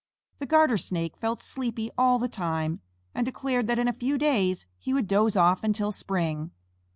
The Garter Snake felt sleepy all the time, and declared that in a few days he would doze off until spring.